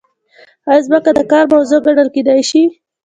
ایا ځمکه د کار موضوع ګڼل کیدای شي؟